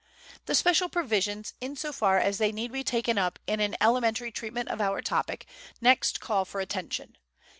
The special provisions, in so far as they need be taken up in an elementary treatment of our topic, next call for attention.